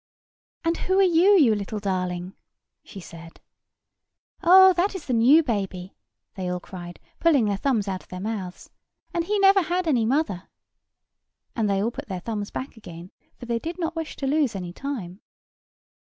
"And who are you, you little darling?" she said. "Oh, that is the new baby!" they all cried, pulling their thumbs out of their mouths; "and he never had any mother," and they all put their thumbs back again, for they did not wish to lose any time.